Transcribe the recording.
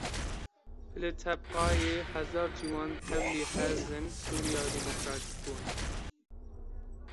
Li Tebqayê hezar ciwan tevlî Hêzên Sûriya Demokratîk bûn.